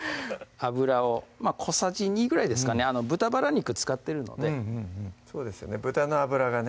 油を小さじ２ぐらいですかね豚バラ肉使ってるのでそうですよね豚の脂がね